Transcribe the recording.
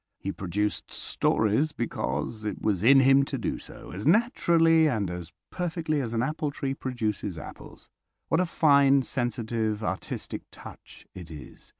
He produced stories because it was in him to do so, as naturally and as perfectly as an apple tree produces apples. What a fine, sensitive, artistic touch it is!